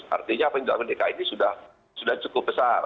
artinya penjamin dki ini sudah cukup besar